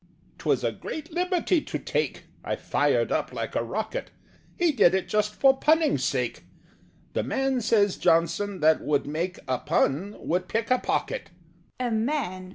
"'Twas a great liberty to take!" (I fired up like a rocket). "He did it just for punning's sake: 'The man,' says Johnson, 'that would make A pun, would pick a pocket!'"